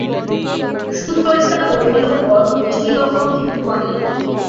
সুচরিতা কহিল, বড়ো বেশি রকম হিঁদুয়ানি।